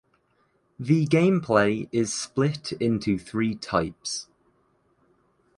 The gameplay is split into three types.